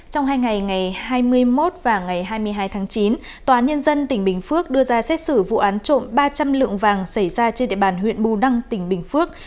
trong hai ngày ngày hai mươi một và ngày hai mươi hai tháng chín tòa nhân dân tỉnh bình phước đưa ra xét xử vụ án trộm ba trăm linh lượng vàng xảy ra trên địa bàn huyện bù đăng tỉnh bình phước